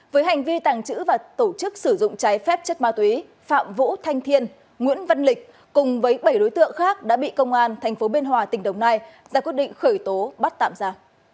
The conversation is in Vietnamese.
với hành vi tàng trữ và tổ chức sử dụng trái phép chất ma túy phạm vũ thanh thiên nguyễn văn lịch cùng với bảy đối tượng khác đã bị công an tp biên hòa tỉnh đồng nai ra quyết định khởi tố bắt tạm ra